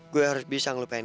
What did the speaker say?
gue harus bisa ngeluhin dia